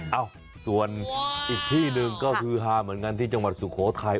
เอ้าส่วนอีกที่หนึ่งก็คือฮาเหมือนกันที่จังหวัดสุโขทัย